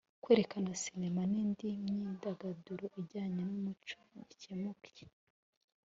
kwerekana sinema n’indi myidagaduro ijyanye n’umuco gikemuke